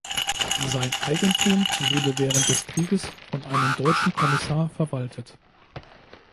Sein Eigentum wurde während des Krieges von einem deutschen Kommissar verwaltet.